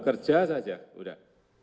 bekerja saja sudah